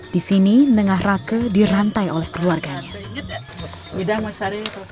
di sini nengah rake dirantai oleh keluarga